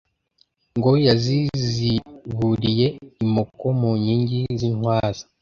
Ngo yaziziburiye imoko.munkingi zintwaza